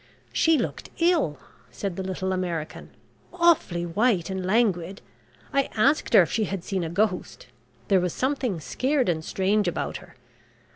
"She looked ill," said the little American. "Awfully white and languid. I asked her if she had seen a ghost. There was something scared and strange about her.